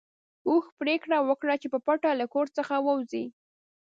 اوښ پرېکړه وکړه چې په پټه له کور څخه ووځي.